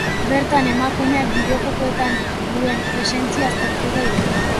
Bertan emakumeak bideojokoetan duen presentzia aztertuko dute.